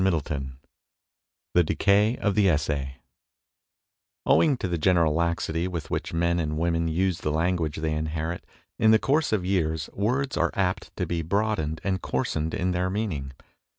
MONOLOGUES i THE DECAY OF THE ESSAY OWING to the general laxity with which men and women use the language they inherit, in the course of years words are apt to be broadened and coarsened in their meaning.